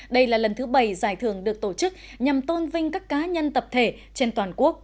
đây là lần thứ bảy giải thưởng được tổ chức nhằm tôn vinh các cá nhân tập thể trên toàn quốc